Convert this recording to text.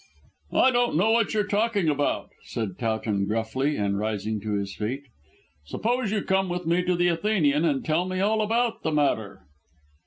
"I don't know what you're talking about," said Towton gruffly and rising to his feet. "Suppose you come with me to the Athenian and tell me all about the matter."